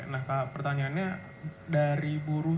nah pertanyaannya dari buruh